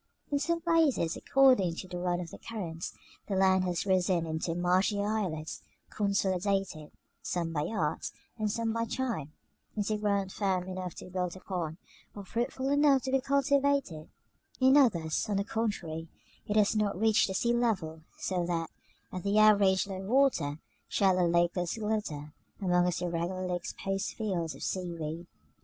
In some places, according to the run of the currents, the land has risen into marshy islets, consolidated, some by art, and some by time, into ground firm enough to be built upon, or fruitful enough to be cultivated: in others, on the contrary, it has not reached the sea level; so that, at the average low water, shallow lakelets glitter among its irregularly exposed fields of seaweed.